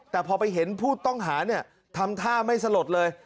แต่พอไปเห็นผู้ต้องหาเนี่ยทำท่าไม่สลดเลย